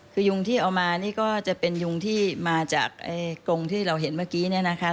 คือยุงที่เอามานี่ก็จะเป็นยุงที่มาจากกงที่เราเห็นเมื่อกี้เนี่ยนะคะ